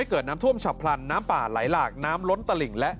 เกิดน้ำท่วมฉับพลันน้ำป่าไหลหลากน้ำล้นตลิ่งและ